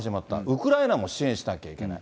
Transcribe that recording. ウクライナも支援しなきゃいけない。